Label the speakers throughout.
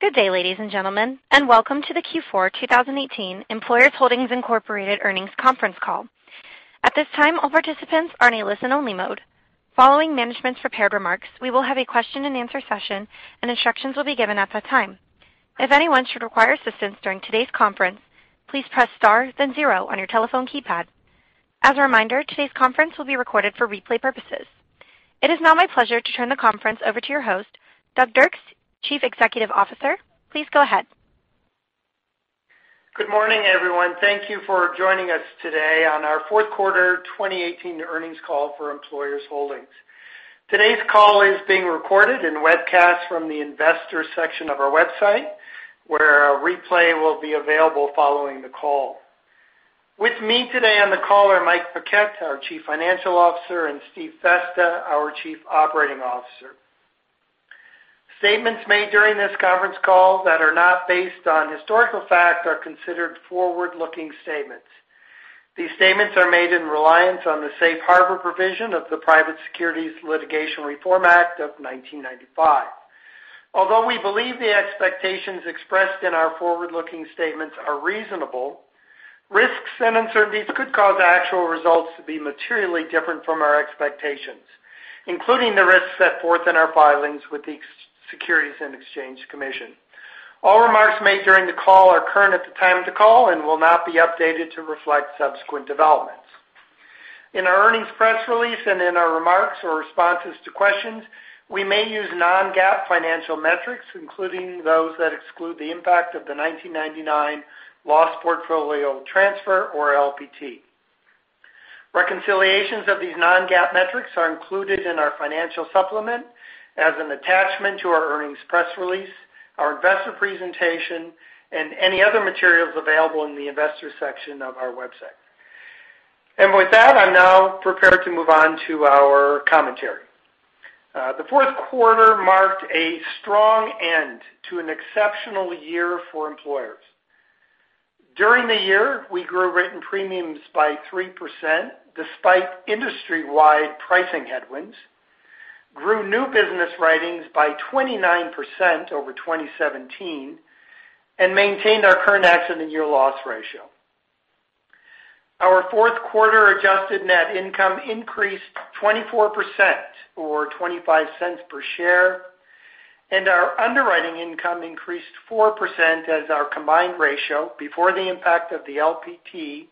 Speaker 1: Good day, ladies and gentlemen, and welcome to the Q4 2018 Employers Holdings, Inc. earnings conference call. At this time, all participants are in a listen-only mode. Following management's prepared remarks, we will have a question-and-answer session, and instructions will be given at that time. If anyone should require assistance during today's conference, please press star then zero on your telephone keypad. As a reminder, today's conference will be recorded for replay purposes. It is now my pleasure to turn the conference over to your host, Douglas Dirks, Chief Executive Officer. Please go ahead.
Speaker 2: Good morning, everyone. Thank you for joining us today on our fourth quarter 2018 earnings call for Employers Holdings. Today's call is being recorded and webcast from the Investors section of our website, where a replay will be available following the call. With me today on the call are Mike Paquette, our Chief Financial Officer, and Steve Festa, our Chief Operating Officer. Statements made during this conference call that are not based on historical fact are considered forward-looking statements. These statements are made in reliance on the safe harbor provision of the Private Securities Litigation Reform Act of 1995. Although we believe the expectations expressed in our forward-looking statements are reasonable, risks and uncertainties could cause actual results to be materially different from our expectations, including the risks set forth in our filings with the Securities and Exchange Commission. All remarks made during the call are current at the time of the call and will not be updated to reflect subsequent developments. In our earnings press release and in our remarks or responses to questions, we may use non-GAAP financial metrics, including those that exclude the impact of the 1999 loss portfolio transfer, or LPT. Reconciliations of these non-GAAP metrics are included in our financial supplement as an attachment to our earnings press release, our investor presentation, and any other materials available in the Investors section of our website. With that, I'm now prepared to move on to our commentary. The fourth quarter marked a strong end to an exceptional year for Employers. During the year, we grew written premiums by 3%, despite industry-wide pricing headwinds, grew new business writings by 29% over 2017, and maintained our current accident year loss ratio. Our fourth quarter adjusted net income increased 24%, or $0.25 per share, and our underwriting income increased 4% as our combined ratio, before the impact of the LPT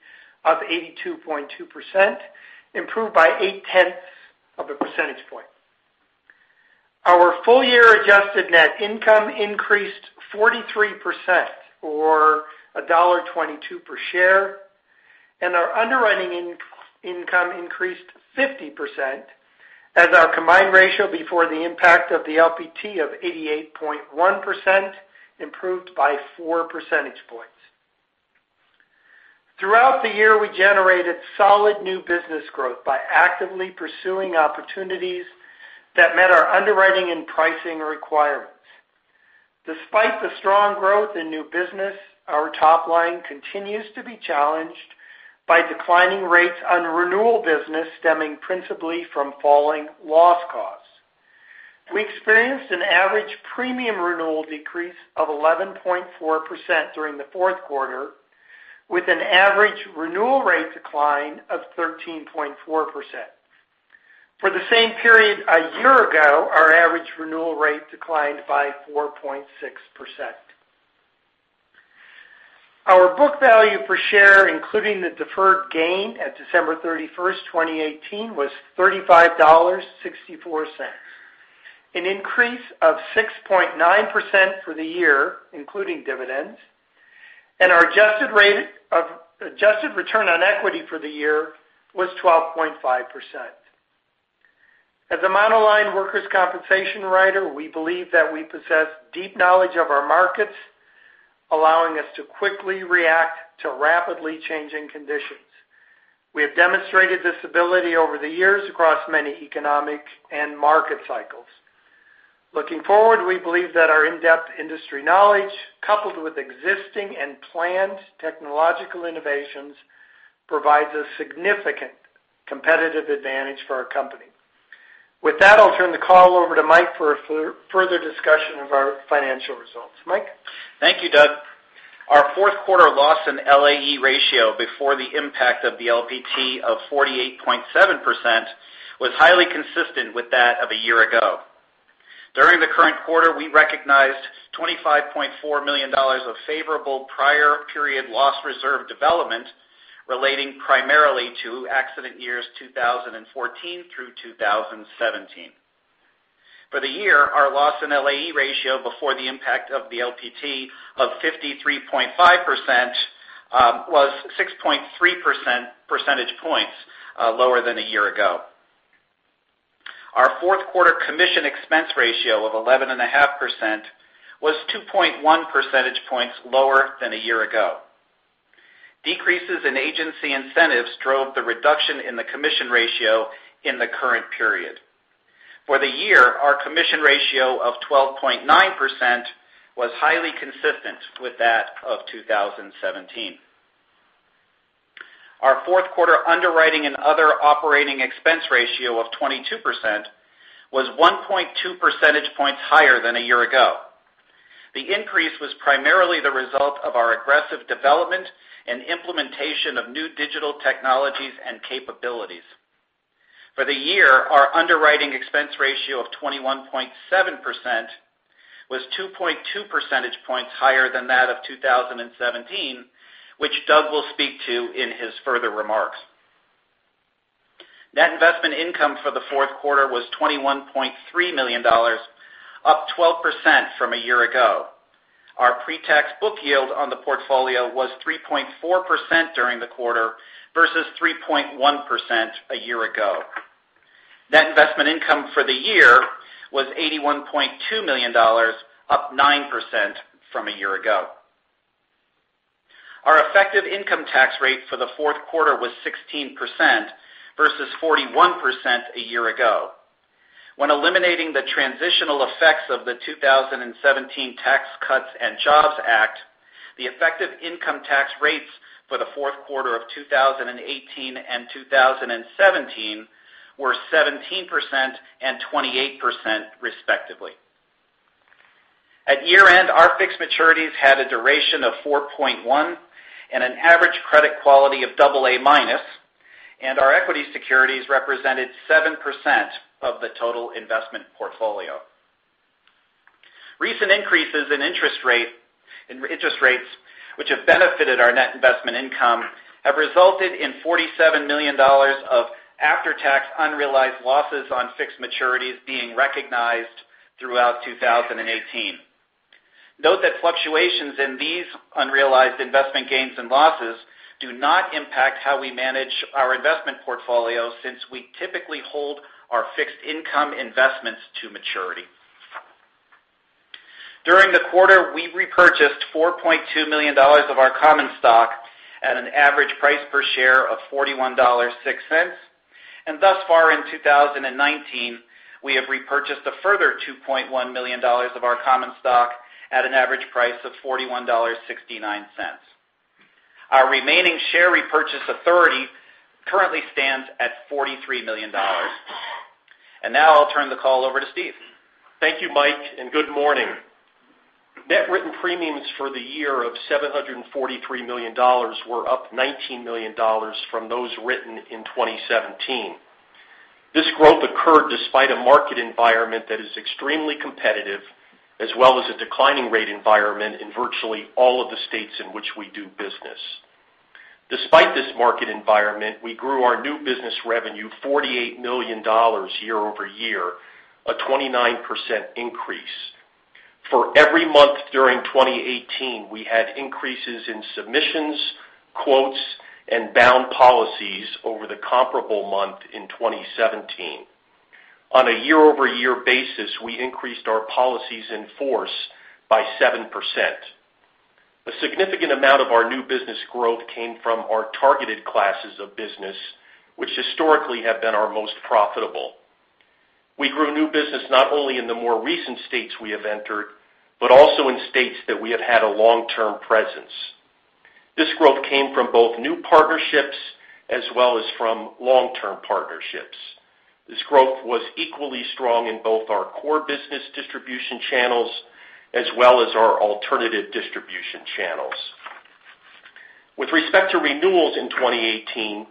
Speaker 2: of 82.2%, improved by eight-tenths of a percentage point. Our full-year adjusted net income increased 43%, or $1.22 per share, and our underwriting income increased 50%, as our combined ratio before the impact of the LPT of 88.1% improved by four percentage points. Throughout the year, we generated solid new business growth by actively pursuing opportunities that met our underwriting and pricing requirements. Despite the strong growth in new business, our top line continues to be challenged by declining rates on renewal business stemming principally from falling loss costs. We experienced an average premium renewal decrease of 11.4% during the fourth quarter, with an average renewal rate decline of 13.4%. For the same period a year ago, our average renewal rate declined by 4.6%. Our book value per share, including the deferred gain at December 31st, 2018, was $35.64, an increase of 6.9% for the year, including dividends, and our adjusted return on equity for the year was 12.5%. As a monoline workers' compensation writer, we believe that we possess deep knowledge of our markets, allowing us to quickly react to rapidly changing conditions. We have demonstrated this ability over the years across many economic and market cycles. Looking forward, we believe that our in-depth industry knowledge, coupled with existing and planned technological innovations, provides a significant competitive advantage for our company. With that, I'll turn the call over to Mike for further discussion of our financial results. Mike?
Speaker 3: Thank you, Doug. Our fourth quarter loss and LAE ratio before the impact of the LPT of 48.7% was highly consistent with that of a year ago. During the current quarter, we recognized $25.4 million of favorable prior period loss reserve development relating primarily to accident years 2014 through 2017. For the year, our loss in LAE ratio before the impact of the LPT of 53.5% was 6.3 percentage points lower than a year ago. Our fourth quarter commission expense ratio of 11.5% was 2.1 percentage points lower than a year ago. Decreases in agency incentives drove the reduction in the commission ratio in the current period. For the year, our commission ratio of 12.9% was highly consistent with that of 2017. Our fourth quarter underwriting and other operating expense ratio of 22% was 1.2 percentage points higher than a year ago. The increase was primarily the result of our aggressive development and implementation of new digital technologies and capabilities. For the year, our underwriting expense ratio of 21.7% was 2.2 percentage points higher than that of 2017, which Doug will speak to in his further remarks. Net investment income for the fourth quarter was $21.3 million, up 12% from a year ago. Our pre-tax book yield on the portfolio was 3.4% during the quarter versus 3.1% a year ago. Net investment income for the year was $81.2 million, up 9% from a year ago. Our effective income tax rate for the fourth quarter was 16% versus 41% a year ago. When eliminating the transitional effects of the 2017 Tax Cuts and Jobs Act, the effective income tax rates for the fourth quarter of 2018 and 2017 were 17% and 28%, respectively. At year-end, our fixed maturities had a duration of 4.1 and an average credit quality of double A minus, and our equity securities represented 7% of the total investment portfolio. Recent increases in interest rates, which have benefited our net investment income, have resulted in $47 million of after-tax unrealized losses on fixed maturities being recognized throughout 2018. Note that fluctuations in these unrealized investment gains and losses do not impact how we manage our investment portfolio since we typically hold our fixed income investments to maturity. During the quarter, we repurchased $4.2 million of our common stock at an average price per share of $41.06. Thus far in 2019, we have repurchased a further $2.1 million of our common stock at an average price of $41.69. Our remaining share repurchase authority currently stands at $43 million. Now I'll turn the call over to Steve.
Speaker 4: Thank you, Mike, and good morning. Net written premiums for the year of $743 million were up $19 million from those written in 2017. This growth occurred despite a market environment that is extremely competitive, as well as a declining rate environment in virtually all of the states in which we do business. Despite this market environment, we grew our new business revenue $48 million year-over-year, a 29% increase. For every month during 2018, we had increases in submissions, quotes, and bound policies over the comparable month in 2017. On a year-over-year basis, we increased our policies in force by 7%. A significant amount of our new business growth came from our targeted classes of business, which historically have been our most profitable. We grew new business not only in the more recent states we have entered, but also in states that we have had a long-term presence. This growth came from both new partnerships as well as from long-term partnerships. This growth was equally strong in both our core business distribution channels as well as our alternative distribution channels. With respect to renewals in 2018,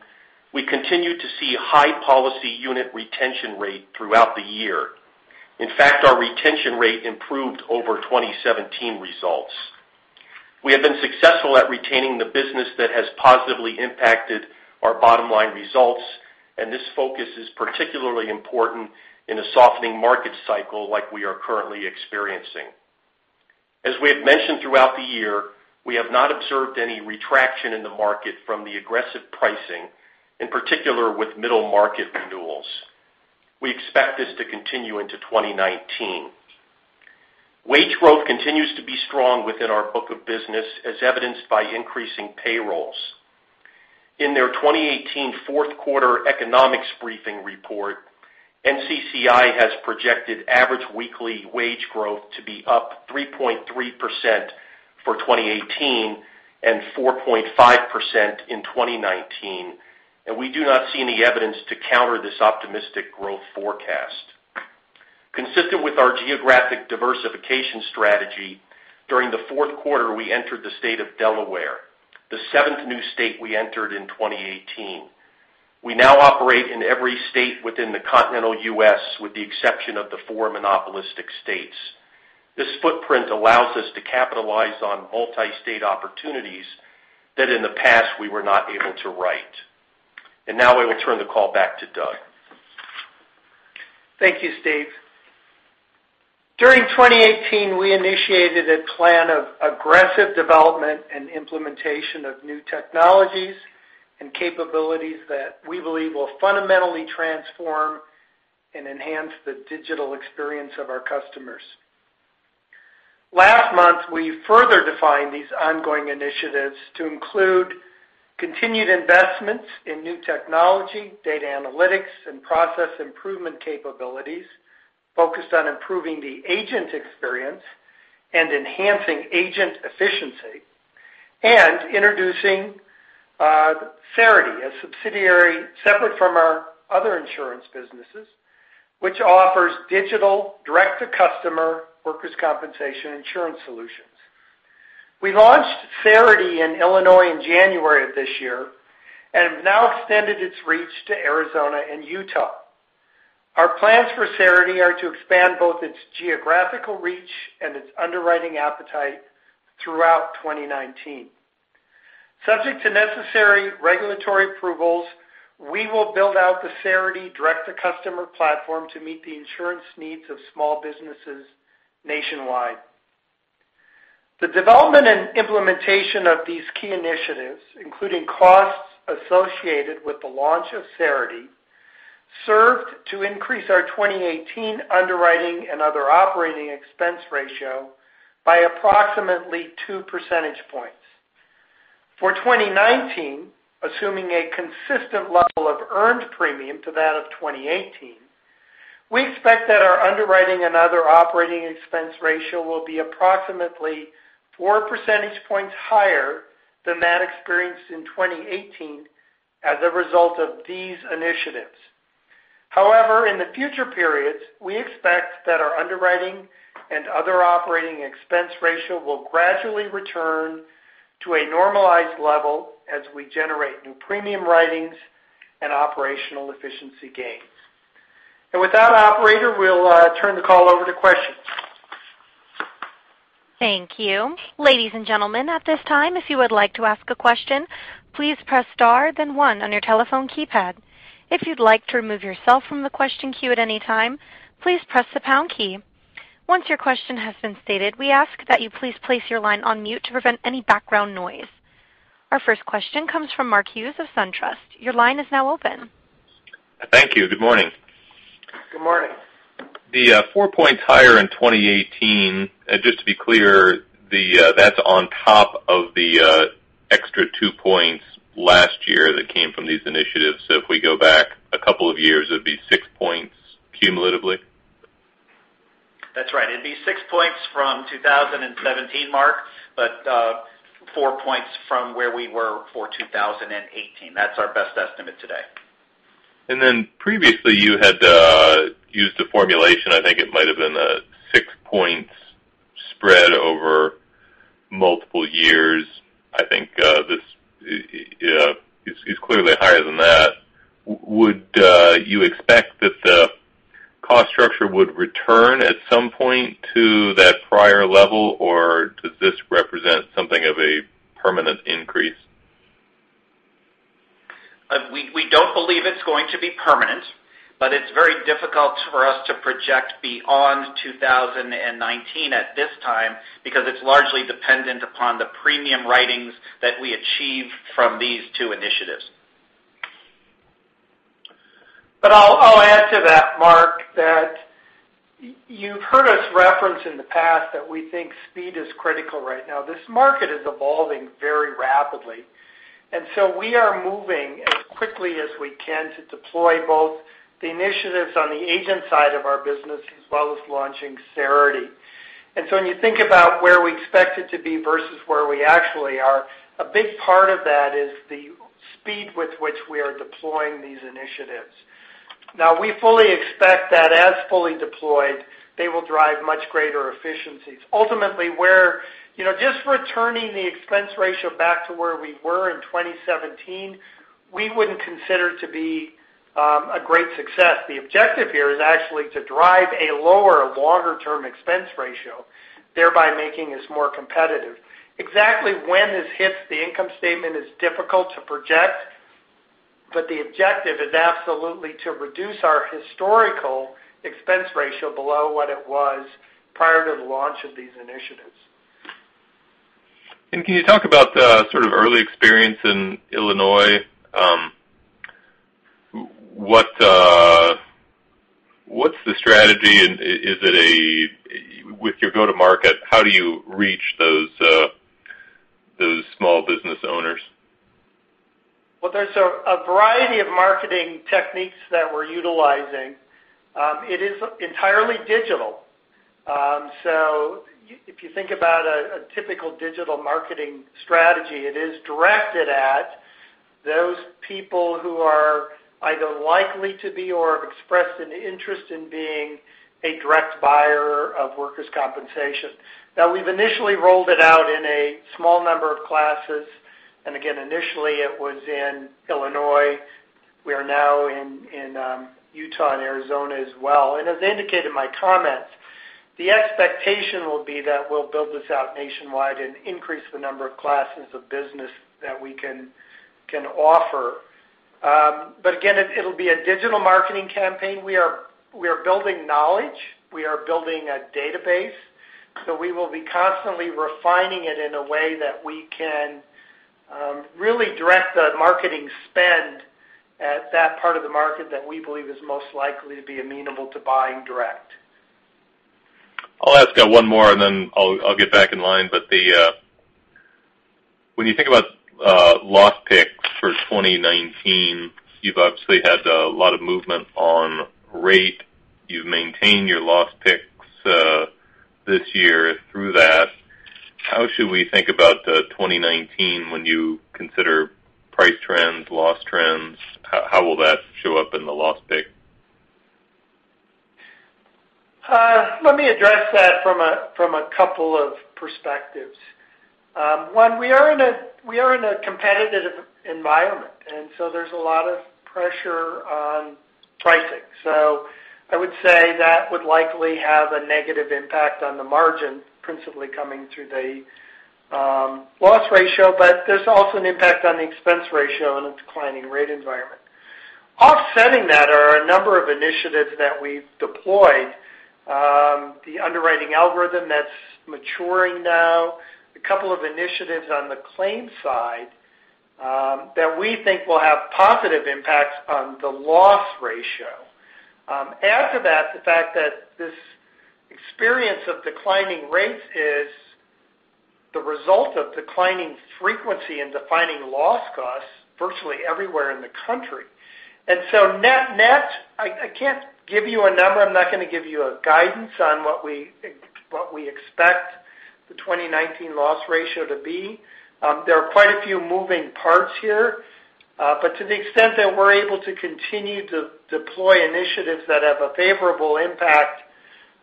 Speaker 4: we continued to see high policy unit retention rate throughout the year. In fact, our retention rate improved over 2017 results. We have been successful at retaining the business that has positively impacted our bottom-line results. This focus is particularly important in a softening market cycle like we are currently experiencing. As we have mentioned throughout the year, we have not observed any retraction in the market from the aggressive pricing, in particular with middle market renewals. We expect this to continue into 2019. Wage growth continues to be strong within our book of business, as evidenced by increasing payrolls. In their 2018 fourth quarter economics briefing report, NCCI has projected average weekly wage growth to be up 3.3% for 2018 and 4.5% in 2019. We do not see any evidence to counter this optimistic growth forecast. Consistent with our geographic diversification strategy, during the fourth quarter, we entered the state of Delaware, the seventh new state we entered in 2018. We now operate in every state within the continental U.S., with the exception of the four monopolistic states. This footprint allows us to capitalize on multi-state opportunities that in the past we were not able to write. Now I will turn the call back to Doug.
Speaker 2: Thank you, Steve. During 2018, we initiated a plan of aggressive development and implementation of new technologies and capabilities that we believe will fundamentally transform and enhance the digital experience of our customers. Last month, we further defined these ongoing initiatives to include continued investments in new technology, data analytics, and process improvement capabilities focused on improving the agent experience. Enhancing agent efficiency, introducing Cerity, a subsidiary separate from our other insurance businesses, which offers digital direct-to-customer workers' compensation insurance solutions. We launched Cerity in Illinois in January of this year and have now extended its reach to Arizona and Utah. Our plans for Cerity are to expand both its geographical reach and its underwriting appetite throughout 2019. Subject to necessary regulatory approvals, we will build out the Cerity direct-to-customer platform to meet the insurance needs of small businesses nationwide. The development and implementation of these key initiatives, including costs associated with the launch of Cerity, served to increase our 2018 underwriting and other operating expense ratio by approximately two percentage points. For 2019, assuming a consistent level of earned premium to that of 2018, we expect that our underwriting and other operating expense ratio will be approximately four percentage points higher than that experienced in 2018 as a result of these initiatives. However, in the future periods, we expect that our underwriting and other operating expense ratio will gradually return to a normalized level as we generate new premium writings and operational efficiency gains. With that operator, we'll turn the call over to questions.
Speaker 1: Thank you. Ladies and gentlemen, at this time, if you would like to ask a question, please press star then one on your telephone keypad. If you'd like to remove yourself from the question queue at any time, please press the pound key. Once your question has been stated, we ask that you please place your line on mute to prevent any background noise. Our first question comes from Mark Hughes of SunTrust. Your line is now open.
Speaker 5: Thank you. Good morning.
Speaker 2: Good morning.
Speaker 5: The 4 points higher in 2018, just to be clear, that's on top of the extra 2 points last year that came from these initiatives. If we go back a couple of years, it'd be 6 points cumulatively?
Speaker 3: That's right. It'd be 6 points from 2017, Mark, but 4 points from where we were for 2018. That's our best estimate today.
Speaker 5: Previously you had used a formulation, I think it might have been a 6-point spread over multiple years. I think this is clearly higher than that. Would you expect that the cost structure would return at some point to that prior level, or does this represent something of a permanent increase?
Speaker 3: We don't believe it's going to be permanent, it's very difficult for us to project beyond 2019 at this time because it's largely dependent upon the premium writings that we achieve from these two initiatives.
Speaker 2: I'll add to that, Mark, that you've heard us reference in the past that we think speed is critical right now. This market is evolving very rapidly, we are moving as quickly as we can to deploy both the initiatives on the agent side of our business, as well as launching Cerity. When you think about where we expect it to be versus where we actually are, a big part of that is the speed with which we are deploying these initiatives. Now, we fully expect that as fully deployed, they will drive much greater efficiencies. Ultimately, just returning the expense ratio back to where we were in 2017, we wouldn't consider to be a great success. The objective here is actually to drive a lower longer-term expense ratio, thereby making us more competitive. Exactly when this hits the income statement is difficult to project, the objective is absolutely to reduce our historical expense ratio below what it was prior to the launch of these initiatives.
Speaker 5: Can you talk about the sort of early experience in Illinois? What's the strategy, and with your go-to market, how do you reach those small business owners?
Speaker 2: There's a variety of marketing techniques that we're utilizing. It is entirely digital. If you think about a typical digital marketing strategy, it is directed at those people who are either likely to be or have expressed an interest in being a direct buyer of workers' compensation. We've initially rolled it out in a small number of classes, and again, initially it was in Illinois. We are now in Utah and Arizona as well. As indicated in my comments, the expectation will be that we'll build this out nationwide and increase the number of classes of business that we can offer. Again, it'll be a digital marketing campaign. We are building knowledge. We are building a database. We will be constantly refining it in a way that we can really direct the marketing spend at that part of the market that we believe is most likely to be amenable to buying direct.
Speaker 5: I'll ask one more, and then I'll get back in line. The When you think about loss picks for 2019, you've obviously had a lot of movement on rate. You've maintained your loss picks this year through that. How should we think about 2019 when you consider price trends, loss trends? How will that show up in the loss pick?
Speaker 2: Let me address that from a couple of perspectives. One, we are in a competitive environment, there's a lot of pressure on pricing. I would say that would likely have a negative impact on the margin, principally coming through the loss ratio, but there's also an impact on the expense ratio in a declining rate environment. Offsetting that are a number of initiatives that we've deployed. The underwriting algorithm that's maturing now, a couple of initiatives on the claims side that we think will have positive impacts on the loss ratio. Add to that, the fact that this experience of declining rates is the result of declining frequency and defining loss costs virtually everywhere in the country. Net, I can't give you a number. I'm not going to give you a guidance on what we expect the 2019 loss ratio to be. There are quite a few moving parts here. To the extent that we're able to continue to deploy initiatives that have a favorable impact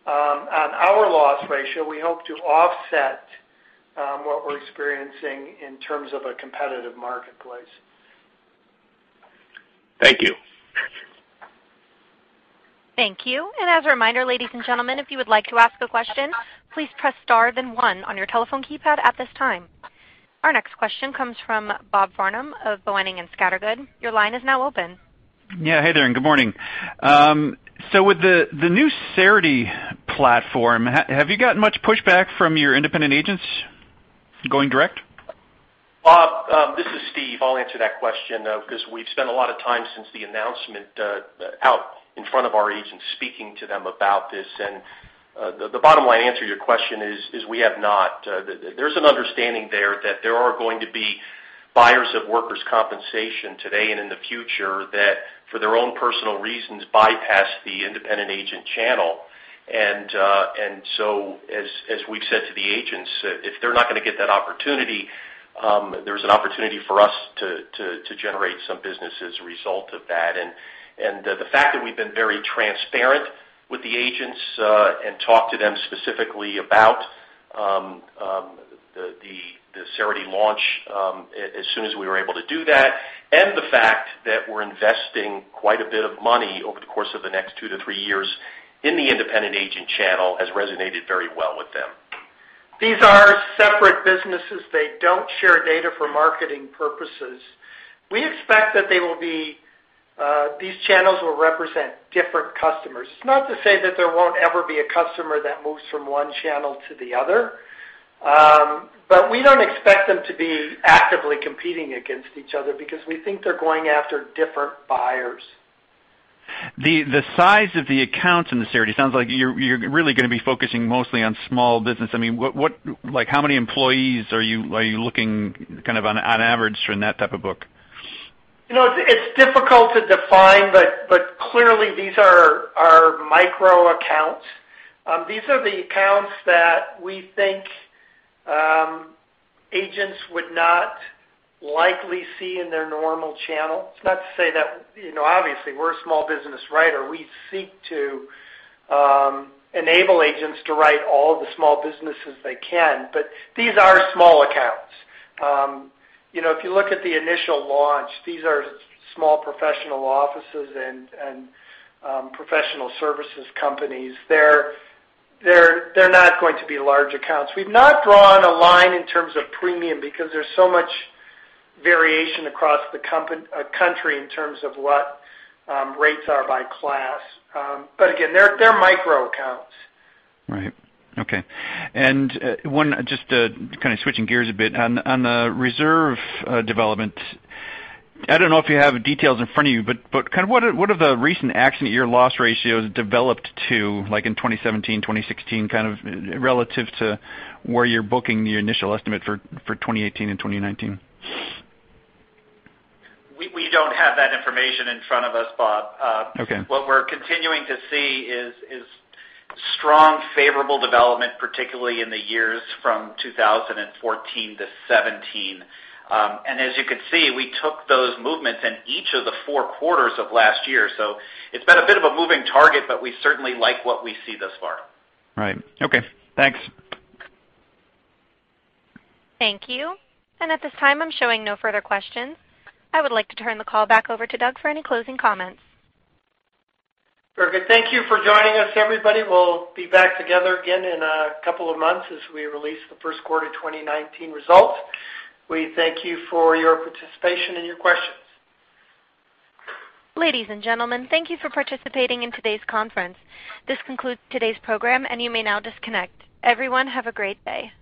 Speaker 2: on our loss ratio, we hope to offset what we're experiencing in terms of a competitive marketplace.
Speaker 5: Thank you.
Speaker 1: Thank you. As a reminder, ladies and gentlemen, if you would like to ask a question, please press star then one on your telephone keypad at this time. Our next question comes from Bob Varnum of Boenning & Scattergood. Your line is now open.
Speaker 6: Yeah. Hey there, good morning. With the new Cerity platform, have you gotten much pushback from your independent agents going direct?
Speaker 4: Bob, this is Steve. I'll answer that question because we've spent a lot of time since the announcement out in front of our agents speaking to them about this. The bottom line answer to your question is we have not. There's an understanding there that there are going to be buyers of workers' compensation today and in the future that for their own personal reasons bypass the independent agent channel. As we've said to the agents, if they're not going to get that opportunity, there's an opportunity for us to generate some business as a result of that. The fact that we've been very transparent with the agents and talked to them specifically about the Cerity launch as soon as we were able to do that, and the fact that we're investing quite a bit of money over the course of the next two to three years in the independent agent channel has resonated very well with them.
Speaker 2: These are separate businesses. They don't share data for marketing purposes. We expect that these channels will represent different customers. It's not to say that there won't ever be a customer that moves from one channel to the other. We don't expect them to be actively competing against each other because we think they're going after different buyers.
Speaker 6: The size of the accounts in the Cerity, sounds like you're really going to be focusing mostly on small business. How many employees are you looking on average in that type of book?
Speaker 2: It's difficult to define, but clearly these are our micro accounts. These are the accounts that we think agents would not likely see in their normal channel. It's not to say that, obviously, we're a small business writer. We seek to enable agents to write all the small businesses they can, but these are small accounts. If you look at the initial launch, these are small professional offices and professional services companies. They're not going to be large accounts. We've not drawn a line in terms of premium because there's so much variation across the country in terms of what rates are by class. Again, they're micro accounts.
Speaker 6: Right. Okay. Just kind of switching gears a bit, on the reserve development, I don't know if you have details in front of you, but what have the recent accident year loss ratios developed to like in 2017, 2016, kind of relative to where you're booking the initial estimate for 2018 and 2019?
Speaker 4: We don't have that information in front of us, Bob.
Speaker 6: Okay.
Speaker 4: What we're continuing to see is strong favorable development, particularly in the years from 2014 to 2017. As you can see, we took those movements in each of the four quarters of last year. It's been a bit of a moving target, but we certainly like what we see thus far.
Speaker 6: Right. Okay. Thanks.
Speaker 1: Thank you. At this time, I'm showing no further questions. I would like to turn the call back over to Doug for any closing comments.
Speaker 2: Very good. Thank you for joining us, everybody. We'll be back together again in a couple of months as we release the first quarter 2019 results. We thank you for your participation and your questions.
Speaker 1: Ladies and gentlemen, thank you for participating in today's conference. This concludes today's program, and you may now disconnect. Everyone, have a great day.